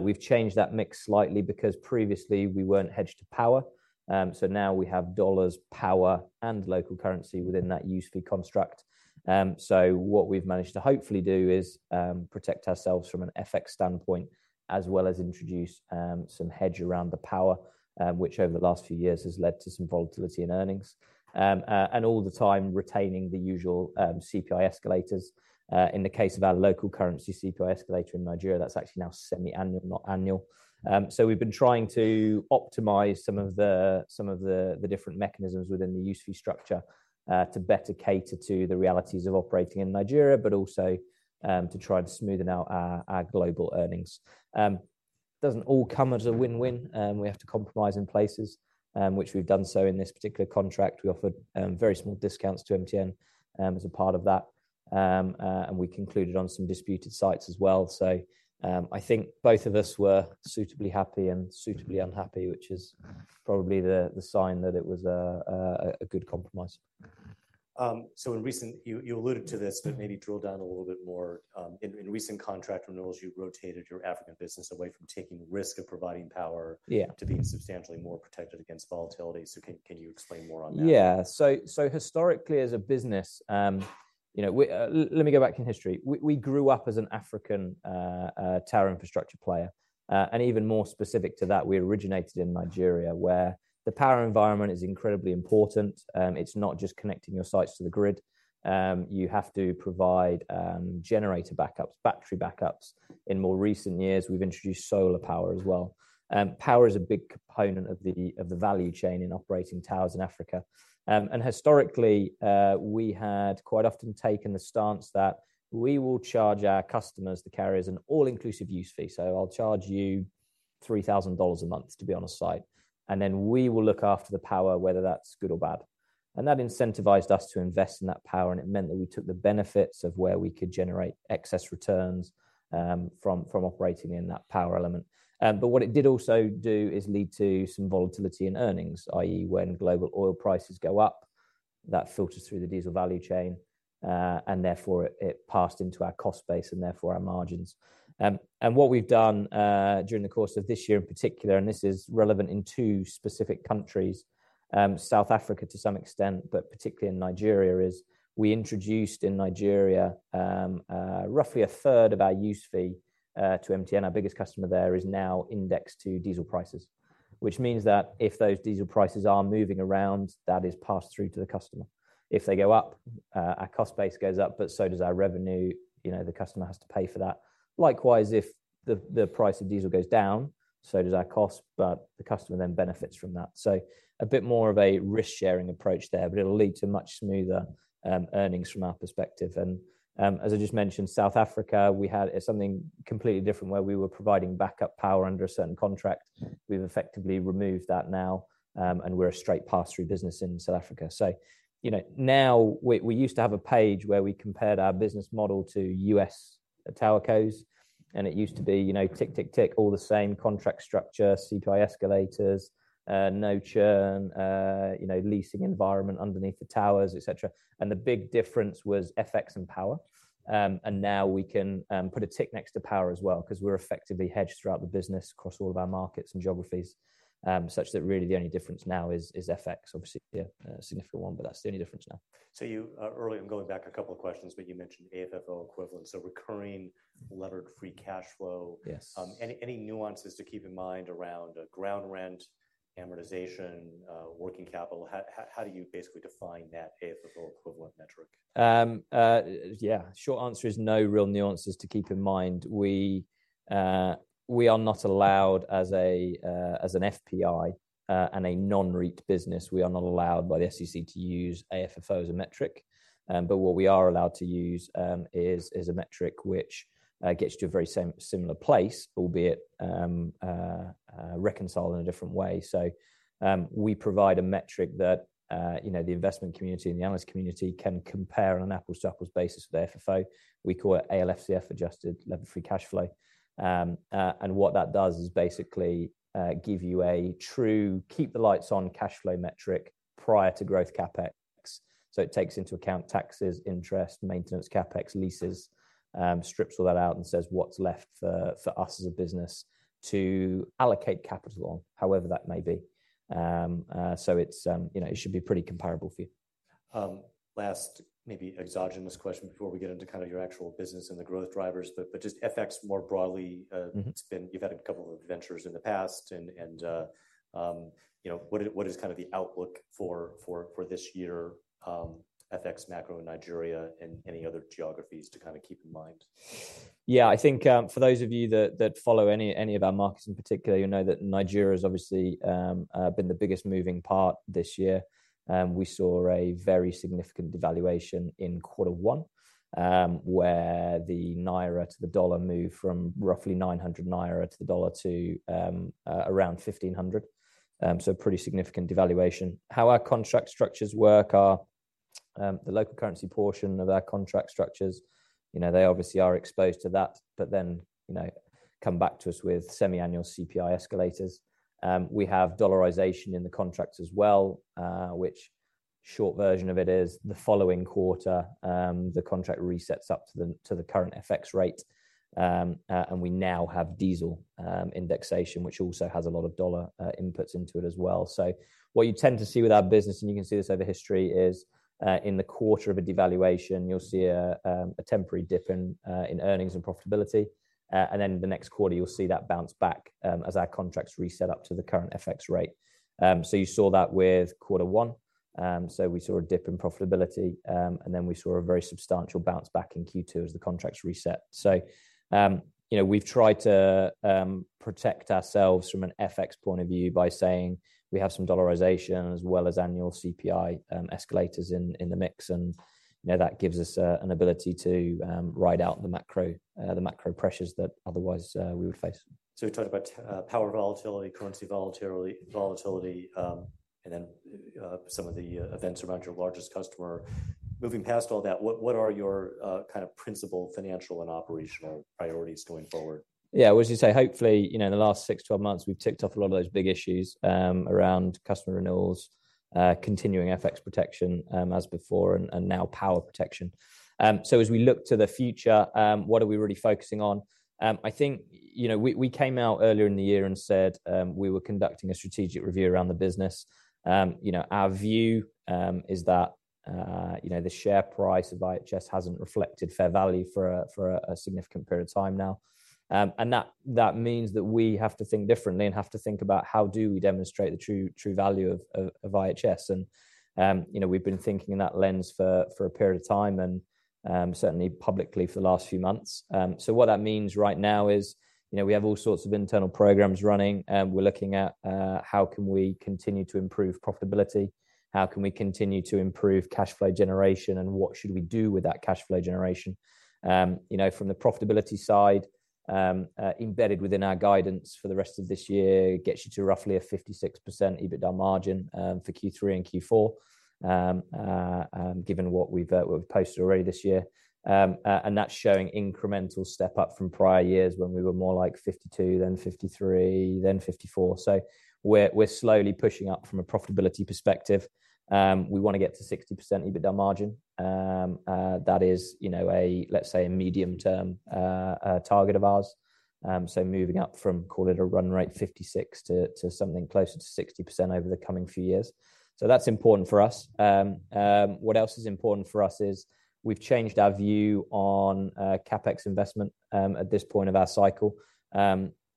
We've changed that mix slightly because previously we weren't hedged to power, so now we have dollars, power, and local currency within that use fee construct. So what we've managed to hopefully do is protect ourselves from an FX standpoint, as well as introduce some hedge around the power, which over the last few years has led to some volatility in earnings and all the time retaining the usual CPI escalators. In the case of our local currency, CPI escalator in Nigeria, that's actually now semi-annual, not annual. So we've been trying to optimize some of the different mechanisms within the use fee structure to better cater to the realities of operating in Nigeria, but also to try and smoothen out our global earnings. Doesn't all come as a win-win, we have to compromise in places, which we've done so in this particular contract. We offered very small discounts to MTN as a part of that and we concluded on some disputed sites as well. So I think both of us were suitably happy and suitably unhappy, which is probably the sign that it was a good compromise. So in recent... You alluded to this, but maybe drill down a little bit more. In recent contract renewals, you've rotated your African business away from taking risk of providing power- Yeah... to being substantially more protected against volatility. So can you explain more on that? Yeah. So historically, as a business, you know, let me go back in history. We grew up as an African tower infrastructure player, and even more specific to that, we originated in Nigeria, where the power environment is incredibly important. It's not just connecting your sites to the grid. You have to provide generator backups, battery backups. In more recent years, we've introduced solar power as well. Power is a big component of the value chain in operating towers in Africa. And historically, we had quite often taken the stance that we will charge our customers, the carriers, an all-inclusive use fee. So I'll charge you $3,000 a month to be on a site, and then we will look after the power, whether that's good or bad. That incentivized us to invest in that power, and it meant that we took the benefits of where we could generate excess returns, from operating in that power element. But what it did also do is lead to some volatility in earnings, i.e., when global oil prices go up, that filters through the diesel value chain, and therefore, it passed into our cost base and therefore our margins. And what we've done during the course of this year in particular, and this is relevant in two specific countries, South Africa to some extent, but particularly in Nigeria, is we introduced in Nigeria roughly a third of our lease fee to MTN. Our biggest customer there is now indexed to diesel prices, which means that if those diesel prices are moving around, that is passed through to the customer. If they go up, our cost base goes up, but so does our revenue. You know, the customer has to pay for that. Likewise, if the price of diesel goes down, so does our cost, but the customer then benefits from that. So a bit more of a risk-sharing approach there, but it'll lead to much smoother earnings from our perspective, and as I just mentioned, South Africa, we had something completely different where we were providing backup power under a certain contract. We've effectively removed that now, and we're a straight pass-through business in South Africa. So you know, now we used to have a page where we compared our business model to US tower cos, and it used to be, you know, tick, tick, tick, all the contract structure, CPI escalators, no churn, you know, leasing environment underneath the towers, et cetera. And the big difference was FX and power. And now we can put a tick next to power as well, 'cause we're effectively hedged throughout the business across all of our markets and geographies, such that really the only difference now is FX. Obviously, a significant one, but that's the only difference now. So you, earlier, I'm going back a couple of questions, but you mentioned AFFO equivalent, so recurring levered free cash flow. Yes. Any nuances to keep in mind around ground rent, amortization, working capital? How do you basically define that AFFO equivalent metric? Yeah, short answer is no real nuances to keep in mind. We, we are not allowed as a, as an FPI, and a non-REIT business, we are not allowed by the SEC to use AFFO as a metric. But what we are allowed to use is a metric which gets to a very similar place, albeit reconciled in a different way. So, we provide a metric that you know, the investment community and the analyst community can compare on an apples-to-apples basis with AFFO. We call it ALFCF, adjusted levered free cash flow. And what that does is basically give you a true keep the lights on cash flow metric prior to growth CapEx. So it takes into account taxes, interest, maintenance, CapEx, leases, strips all that out and says what's left for us as a business to allocate capital, however that may be. So it's, you know, it should be pretty comparable for you. Last, maybe, exogenous question before we get into kind of your actual business and the growth drivers, but just FX more broadly. Mm-hmm. You've had a couple of adventures in the past, and you know, what is kind of the outlook for this year, FX macro in Nigeria and any other geographies to kind of keep in mind? Yeah, I think, for those of you that follow any of our markets in particular, you'll know that Nigeria has obviously been the biggest moving part this year. We saw a very significant devaluation in quarter one, where the naira to the dollar moved from roughly 900 naira to the dollar to around 1,500. So pretty significant devaluation. How our contract structures work are, the local currency portion of our contract structures, you know, they obviously are exposed to that, but then, you know, come back to us with semi-annual CPI escalators. We have dollarization in the contracts as well, which short version of it is the following quarter, the contract resets up to the current FX rate. And we now have diesel indexation, which also has a lot of dollar inputs into it as well. So what you tend to see with our business, and you can see this over history, is in the quarter of a devaluation, you'll see a temporary dip in earnings and profitability, and then the next quarter, you'll see that bounce back as our contracts reset up to the current FX rate. So you saw that with quarter one, so we saw a dip in profitability, and then we saw a very substantial bounce back in Q2 as the contracts reset. So, you know, we've tried to protect ourselves from an FX point of view by saying we have some dollarization as well as annual CPI escalators in the mix, and, you know, that gives us an ability to ride out the macro pressures that otherwise we would face. So we talked about power volatility, currency volatility, and then some of the events around your largest customer. Moving past all that, what are your kind of principal financial and operational priorities going forward? Yeah, as you say, hopefully, you know, in the last six, twelve months, we've ticked off a lot of those big issues around customer renewals, continuing FX protection, as before, and now power protection. So as we look to the future, what are we really focusing on? I think, you know, we came out earlier in the year and said we were conducting a strategic review around the business. You know, our view is that, you know, the share price of IHS hasn't reflected fair value for a significant period of time now. That means that we have to think differently and have to think about how do we demonstrate the true value of IHS. You know, we've been thinking in that lens for a period of time and certainly publicly for the last few months. What that means right now is, you know, we have all sorts of internal programs running, and we're looking at how can we continue to improve profitability? How can we continue to improve cash flow generation, and what should we do with that cash flow generation? You know, from the profitability side, embedded within our guidance for the rest of this year gets you to roughly a 56% EBITDA margin for Q3 and Q4, given what we've posted already this year. That's showing incremental step-up from prior years when we were more like 52, then 53, then 54. We're slowly pushing up from a profitability perspective. We wanna get to 60% EBITDA margin. That is, you know, a, let's say, a medium-term target of ours. So moving up from, call it, a run rate 56% to something closer to 60% over the coming few years. So that's important for us. What else is important for us is we've changed our view on CapEx investment at this point of our cycle.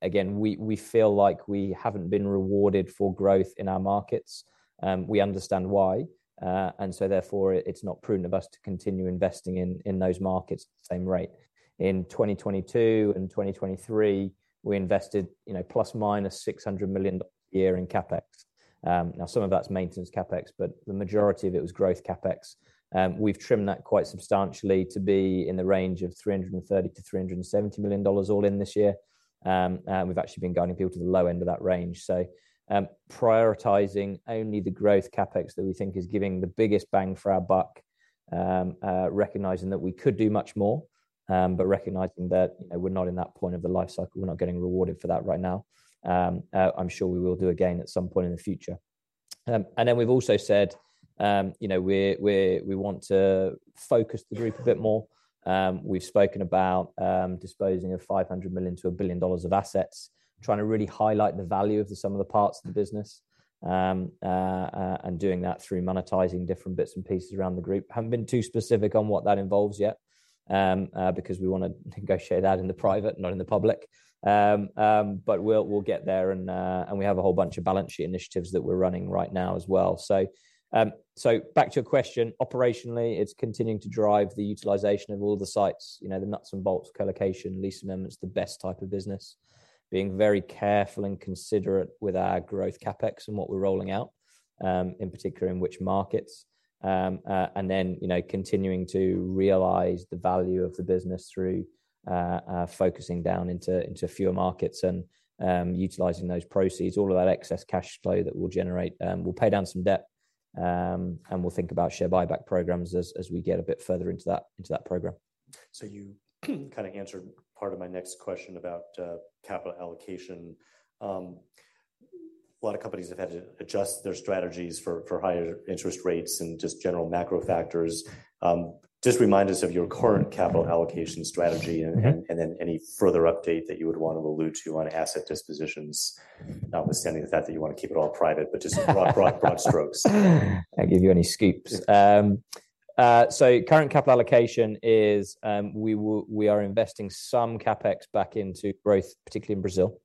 Again, we feel like we haven't been rewarded for growth in our markets, and we understand why, and so therefore, it's not prudent of us to continue investing in those markets at the same rate. In 2022 and 2023, we invested, you know, plus or minus $600 million a year in CapEx. Now, some of that's maintenance CapEx, but the majority of it was growth CapEx. We've trimmed that quite substantially to be in the range of $330 million-$370 million all in this year. And we've actually been guiding people to the low end of that range. So, prioritizing only the growth CapEx that we think is giving the biggest bang for our buck, recognizing that we could do much more, but recognizing that, you know, we're not in that point of the life cycle, we're not getting rewarded for that right now. I'm sure we will do again at some point in the future. And then we've also said, you know, we want to focus the group a bit more. We've spoken about disposing of $500 million-$1 billion of assets, trying to really highlight the value of some of the parts of the business, and doing that through monetizing different bits and pieces around the group. Haven't been too specific on what that involves yet, because we wanna negotiate that in the private, not in the public. But we'll get there, and we have a whole bunch of balance sheet initiatives that we're running right now as well. Back to your question, operationally, it's continuing to drive the utilization of all the sites, you know, the nuts and bolts, colocation, lease amendments, the best type of business. Being very careful and considerate with our growth CapEx and what we're rolling out, in particular, in which markets, and then, you know, continuing to realize the value of the business through focusing down into fewer markets and utilizing those proceeds, all of that excess cash flow that we'll generate, we'll pay down some debt, and we'll think about share buyback programs as we get a bit further into that program. So you kind of answered part of my next question about capital allocation. A lot of companies have had to adjust their strategies for higher interest rates and just general macro factors. Just remind us of your current capital allocation strategy, and then any further update that you would want to allude to on asset dispositions, notwithstanding the fact that you want to keep it all private, but just broad strokes. Not give you any scoops, so current capital allocation is. We are investing some CapEx back into growth, particularly in Brazil.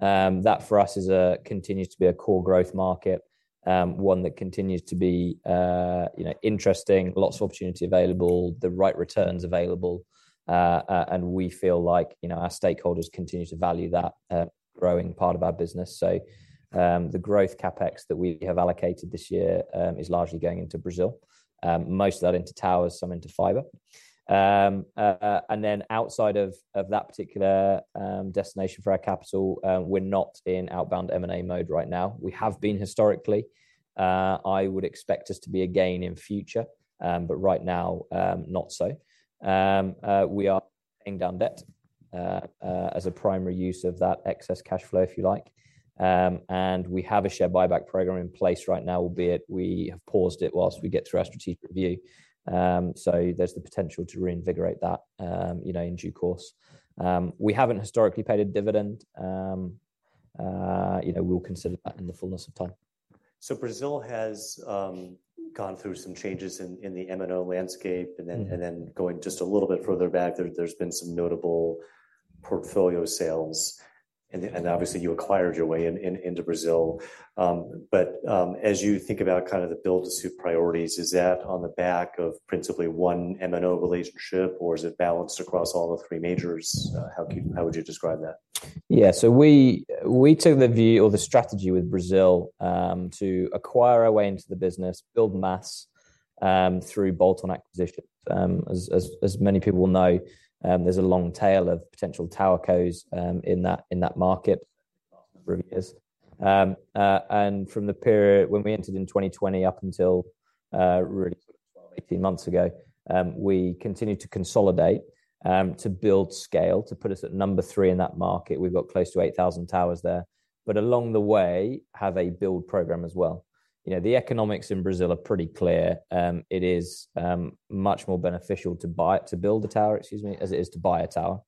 That for us continues to be a core growth market, one that continues to be, you know, interesting, lots of opportunity available, the right returns available, and we feel like, you know, our stakeholders continue to value that growing part of our business, so the growth CapEx that we have allocated this year is largely going into Brazil. Most of that into towers, some into fiber, and then outside of that particular destination for our capital, we're not in outbound M&A mode right now. We have been historically. I would expect us to be again in future, but right now, not so. We are paying down debt, as a primary use of that excess cash flow, if you like. And we have a share buyback program in place right now, albeit we have paused it whilst we get through our strategic review. So there's the potential to reinvigorate that, you know, in due course. We haven't historically paid a dividend. You know, we'll consider that in the fullness of time. Brazil has gone through some changes in the M&O landscape, and then- Mm-hmm. and then going just a little bit further back, there, there's been some notable portfolio sales, and obviously you acquired your way in, into Brazil. But, as you think about kind of the build to suit priorities, is that on the back of principally one M&O relationship, or is it balanced across all the three majors? How would you describe that? Yeah, so we took the view or the strategy with Brazil to acquire our way into the business, build mass through bolt-on acquisitions. As many people will know, there's a long tail of potential tower cos in that market and from the period when we entered in 2020 up until really 12-18 months ago, we continued to consolidate to build scale, to put us at number three in that market. We've got close to 8,000 towers there, but along the way, have a build program as well. You know, the economics in Brazil are pretty clear. It is much more beneficial to buy—to build a tower, excuse me, as it is to buy a tower.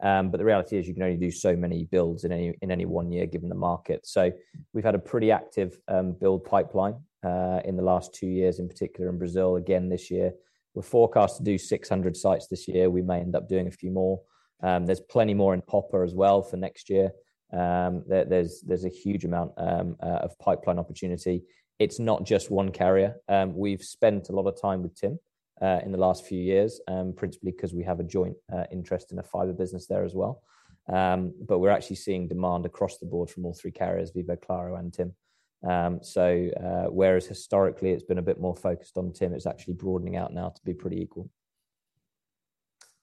But the reality is you can only do so many builds in any one year, given the market. So we've had a pretty active build pipeline in the last two years, in particular in Brazil, again this year. We're forecast to do 600 sites this year. We may end up doing a few more. There's plenty more in the hopper as well for next year. There's a huge amount of pipeline opportunity. It's not just one carrier. We've spent a lot of time with Tim in the last few years, principally 'cause we have a joint interest in a fiber business there as well. But we're actually seeing demand across the board from all three carriers, Vivo, Claro, and Tim. Whereas historically it's been a bit more focused on TIM, it's actually broadening out now to be pretty equal.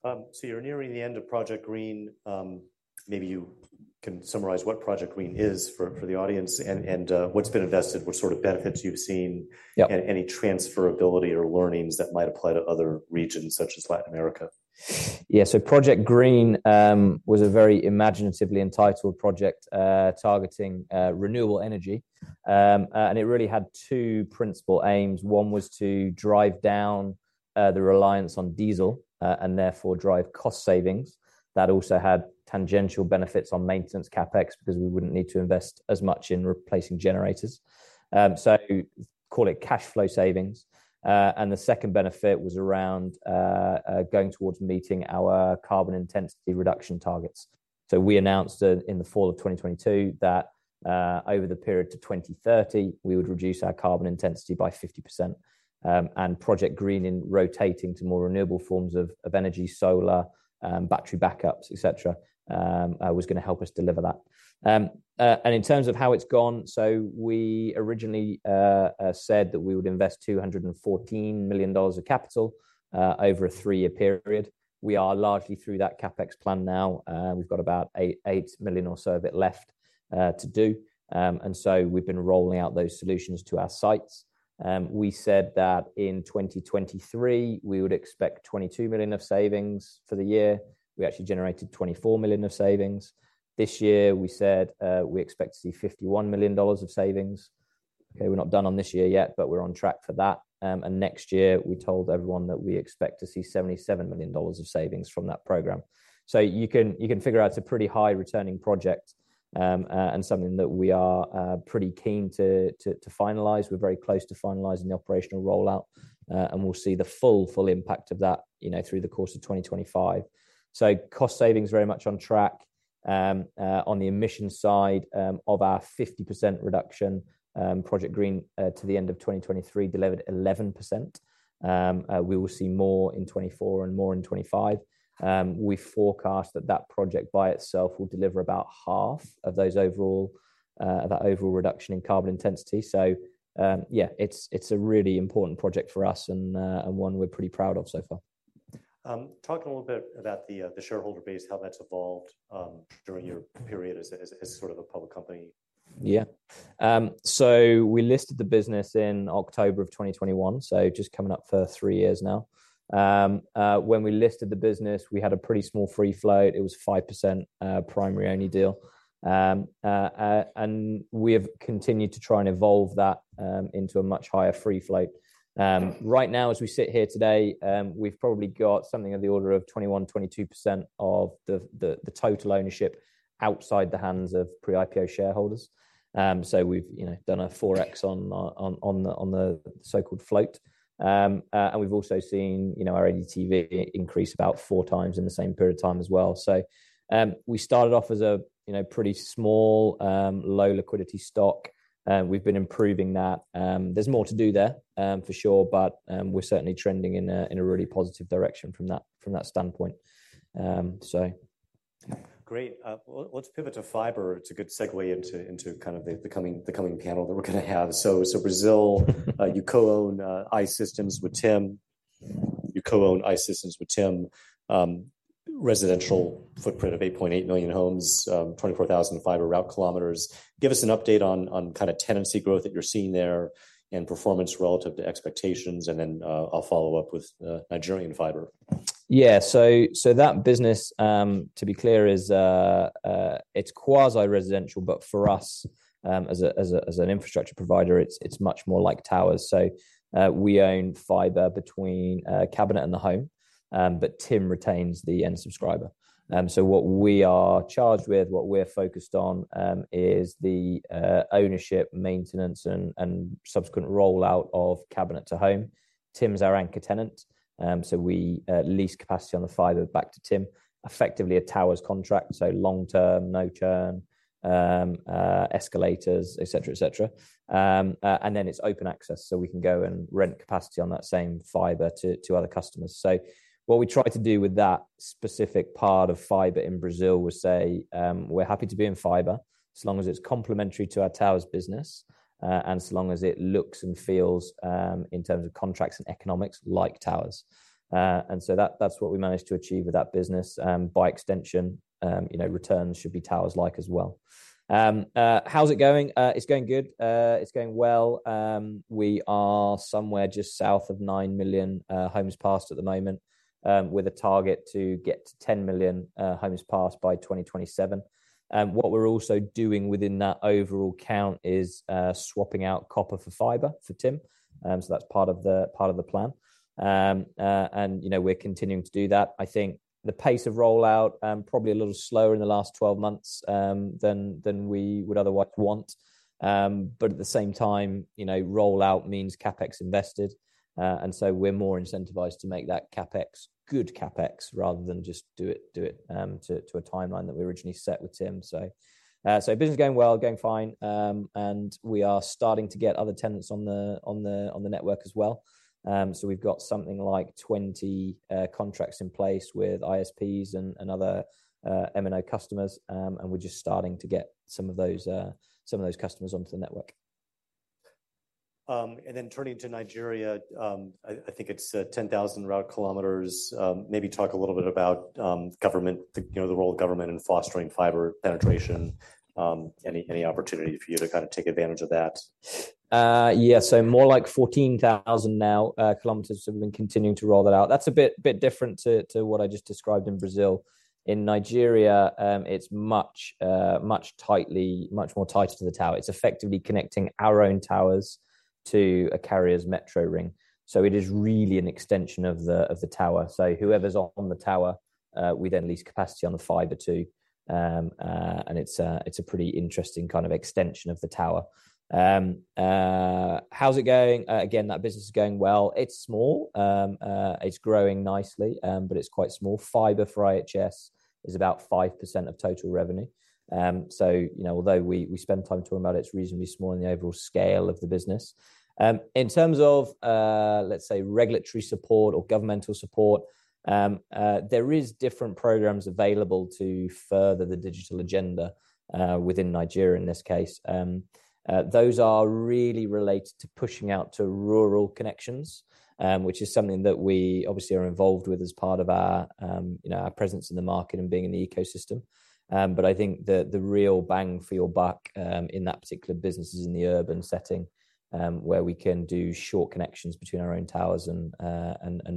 So you're nearing the end of Project Green. Maybe you can summarize what Project Green is for the audience and what's been invested, what sort of benefits you've seen? Yeah... and any transferability or learnings that might apply to other regions such as Latin America. Yeah, so Project Green was a very imaginatively entitled project targeting renewable energy. And it really had two principal aims. One was to drive down the reliance on diesel and therefore drive cost savings. That also had tangential benefits on maintenance CapEx, because we wouldn't need to invest as much in replacing generators. So call it cash flow savings. And the second benefit was around going towards meeting our carbon intensity reduction targets. So we announced that in the fall of twenty twenty-two, that over the period to twenty thirty, we would reduce our carbon intensity by 50%. And Project Green in rotating to more renewable forms of energy, solar, battery backups, et cetera, was gonna help us deliver that. In terms of how it's gone, so we originally said that we would invest $214 million of capital over a three-year period. We are largely through that CapEx plan now. We've got about $8 million or so of it left to do. And so we've been rolling out those solutions to our sites. We said that in 2023, we would expect $22 million of savings for the year. We actually generated $24 million of savings. This year, we said, we expect to see $51 million of savings. Okay, we're not done on this year yet, but we're on track for that. And next year, we told everyone that we expect to see $77 million of savings from that program. So you can figure out it's a pretty high returning project, and something that we are pretty keen to finalize. We're very close to finalizing the operational rollout, and we'll see the full impact of that, you know, through the course of 2025. So cost savings, very much on track. On the emission side, of our 50% reduction, Project Green, to the end of 2023, delivered 11%. We will see more in 2024 and more in 2025. We forecast that that project by itself will deliver about half of those overall, that overall reduction in carbon intensity. So, yeah, it's a really important project for us and one we're pretty proud of so far. ... Talk a little bit about the shareholder base, how that's evolved during your period as sort of a public company? Yeah. So we listed the business in October of 2021, so just coming up for three years now. When we listed the business, we had a pretty small free float. It was 5%, primary-only deal. And we have continued to try and evolve that into a much higher free float. Right now, as we sit here today, we've probably got something of the order of 21-22% of the total ownership outside the hands of pre-IPO shareholders. So we've, you know, done a 4x on the so-called float. And we've also seen, you know, our ADTV increase about four times in the same period of time as well. We started off as a, you know, pretty small, low liquidity stock, and we've been improving that. There's more to do there, for sure, but, we're certainly trending in a, in a really positive direction from that, from that standpoint. So... Great. Let's pivot to fiber. It's a good segue into kind of the coming panel that we're gonna have. So Brazil, you co-own I-Systems with TIM. You co-own I-Systems with TIM, residential footprint of 8.8 million homes, 24,000 fiber route kilometers. Give us an update on kind of tenancy growth that you're seeing there and performance relative to expectations, and then I'll follow up with Nigerian fiber. Yeah. So that business, to be clear, is, it's quasi-residential, but for us, as an infrastructure provider, it's much more like towers. So we own fiber between, cabinet and the home, but Tim retains the end subscriber. So what we are charged with, what we're focused on, is the, ownership, maintenance, and subsequent rollout of cabinet to home. Tim's our anchor tenant, so we, lease capacity on the fiber back to Tim, effectively a towers contract, so long term, no churn, escalators, et cetera. And then it's open access, so we can go and rent capacity on that same fiber to other customers. So what we try to do with that specific part of fiber in Brazil is say, we're happy to be in fiber as long as it's complementary to our towers business, and as long as it looks and feels, in terms of contracts and economics, like towers. And so that, that's what we managed to achieve with that business, by extension, you know, returns should be towers-like as well. How's it going? It's going well. We are somewhere just south of nine million homes passed at the moment, with a target to get to 10 million homes passed by 2027. What we're also doing within that overall count is, swapping out copper for fiber for TIM, so that's part of the plan. You know, we're continuing to do that. I think the pace of rollout probably a little slower in the last twelve months than we would otherwise want. But at the same time, you know, rollout means CapEx invested, and so we're more incentivized to make that CapEx good CapEx, rather than just do it to a timeline that we originally set with TIM. So business is going well, going fine, and we are starting to get other tenants on the network as well, so we've got something like 20 contracts in place with ISPs and other MNO customers, and we're just starting to get some of those customers onto the network. And then turning to Nigeria, I think it's ten thousand route kilometers. Maybe talk a little bit about government, you know, the role of government in fostering fiber penetration, any opportunity for you to kind of take advantage of that? Yeah, so more like 14,000 km now, so we've been continuing to roll that out. That's a bit different to what I just described in Brazil. In Nigeria, it's much tighter to the tower. It's effectively connecting our own towers to a carrier's metro ring, so it is really an extension of the tower. So whoever's on the tower, we then lease capacity on the fiber too. And it's a pretty interesting kind of extension of the tower. How's it going? Again, that business is going well. It's small. It's growing nicely, but it's quite small. Fiber for IHS is about 5% of total revenue. So, you know, although we spend time talking about it, it's reasonably small in the overall scale of the business. In terms of, let's say, regulatory support or governmental support, there is different programs available to further the digital agenda, within Nigeria, in this case. Those are really related to pushing out to rural connections, which is something that we obviously are involved with as part of our, you know, our presence in the market and being in the ecosystem. But I think the real bang for your buck, in that particular business is in the urban setting, where we can do short connections between our own towers and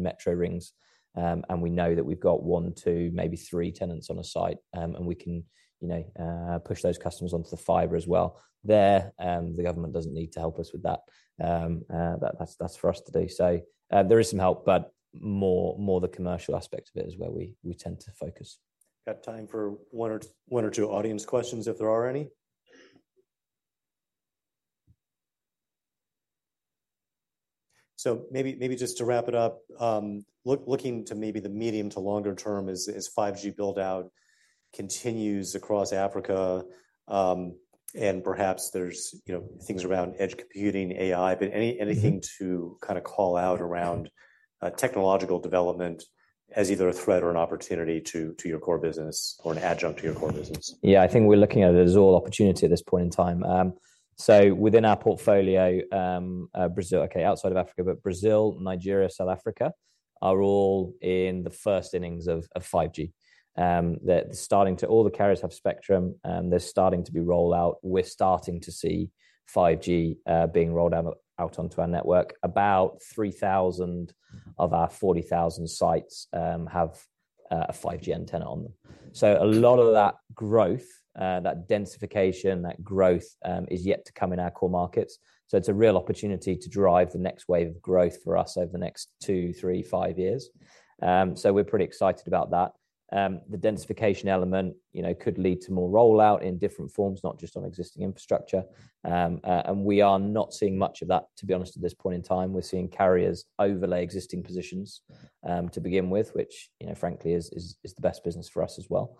metro rings. And we know that we've got one, two, maybe three tenants on a site, and we can, you know, push those customers onto the fiber as well. There, the government doesn't need to help us with that. That's for us to do. So, there is some help, but more the commercial aspect of it is where we tend to focus. Got time for one or two audience questions, if there are any, so maybe just to wrap it up, looking to maybe the medium to longer term as 5G build-out continues across Africa, and perhaps there's, you know, things around edge computing, AI, but any- Mm-hmm. Anything to kind of call out around technological development as either a threat or an opportunity to your core business or an adjunct to your core business? Yeah, I think we're looking at it as all opportunity at this point in time. So within our portfolio, Brazil, okay, outside of Africa, but Brazil, Nigeria, South Africa are all in the first innings of 5G. They're starting to, all the carriers have spectrum, and they're starting to be rolled out. We're starting to see 5G being rolled out onto our network. About three thousand of our forty thousand sites have a 5G antenna on them. So a lot of that growth, that densification, that growth is yet to come in our core markets. So it's a real opportunity to drive the next wave of growth for us over the next two, three, five years. So we're pretty excited about that. The densification element, you know, could lead to more rollout in different forms, not just on existing infrastructure, and we are not seeing much of that, to be honest, at this point in time. We're seeing carriers overlay existing positions, to begin with, which, you know, frankly, is the best business for us as well.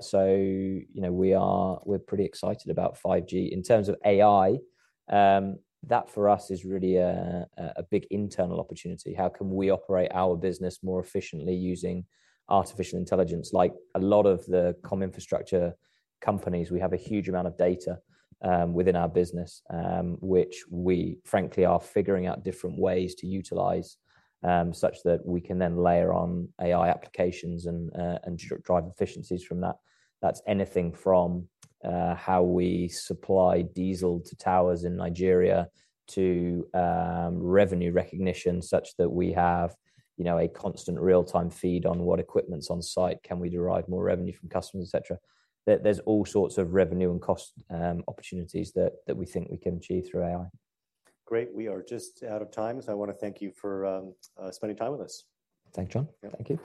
So, you know, we are pretty excited about 5G. In terms of AI, that for us is really a big internal opportunity. How can we operate our business more efficiently using artificial intelligence? Like a lot of the comm infrastructure companies, we have a huge amount of data within our business, which we frankly are figuring out different ways to utilize, such that we can then layer on AI applications and drive efficiencies from that. That's anything from how we supply diesel to towers in Nigeria to revenue recognition, such that we have, you know, a constant real-time feed on what equipment's on site, can we derive more revenue from customers, et cetera. There's all sorts of revenue and cost opportunities that we think we can achieve through AI. Great! We are just out of time, so I wanna thank you for spending time with us. Thanks, John. Yeah. Thank you.